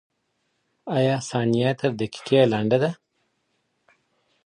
آیا ثانیه تر دقیقې لنډه ده؟